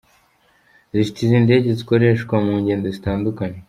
zifite izi ndege zikorershwa mu ngendo zitandukanye.